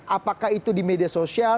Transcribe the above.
apakah itu di media sosial